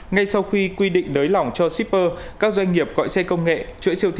ngay sau khi quy định nới lỏng cho shipper các doanh nghiệp gọi xe công nghệ